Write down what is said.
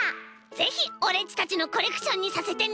ぜひオレっちたちのコレクションにさせてね。